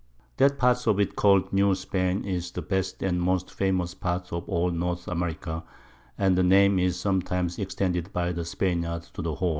That part of it call'd New Spain is the best and most famous Part of all North America, and the Name is sometimes extended by the Spaniards to the whole.